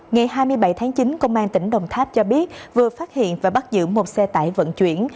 ngày hai mươi bảy tháng chín công an tỉnh đồng tháp cho biết vừa phát hiện và bắt giữ một xe tải vận chuyển